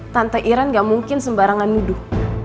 tante iran gak mungkin sembarangan nuduh